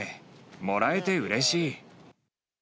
もらえてうれしい。